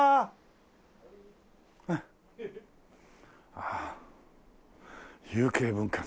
ああ有形文化財。